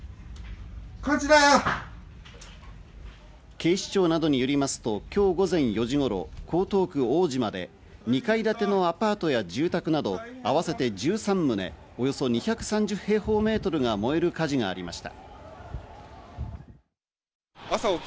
警視庁などによりますと、今日午前４時頃、江東区大島で２階建てのアパートや住宅など合わせて１３棟、およそ２３０平方メートルが燃える火事がありました。